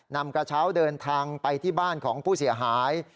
นำกระเช้าเดินทางไปที่บ้านของผู้เสียหาย